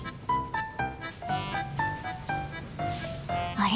あれ？